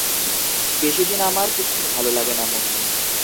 বেশিদিন আমার কিছু ভালো লাগে না মতি।